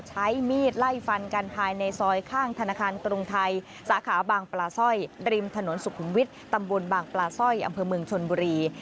ใช้มีดไล่ฟันกันภายในซอยข้างธนาคารกรุงไทยสาขาบางปลาสร้อยริมถนนสุขุมวิทย์ตำบลบางปลาสร้อยอำเภอเมืองชนบุรี